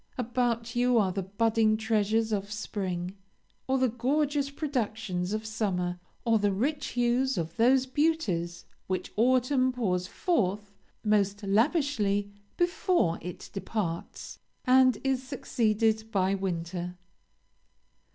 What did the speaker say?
About you are the budding treasures of spring, or the gorgeous productions of summer, or the rich hues of those beauties which autumn pours forth most lavishly before it departs, and is succeeded by winter.